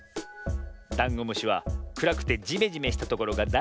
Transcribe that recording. ダンゴムシはくらくてジメジメしたところがだいすき。